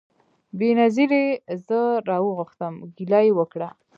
بېنظیري زه راوغوښتم ګیله یې وکړه